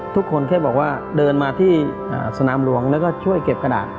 ทุกคนแค่บอกว่าเดินมาที่สนามหลวงแล้วก็ช่วยเก็บกระดาษ